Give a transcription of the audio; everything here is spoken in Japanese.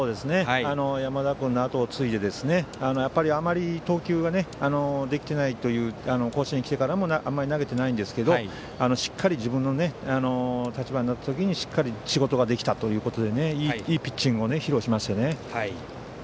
山田君の後を継いであまり投球ができていないという甲子園に来てからもあまり投げてないんですけどしっかり自分の立場になった時に仕事ができたということでいいピッチングを披露しましたね。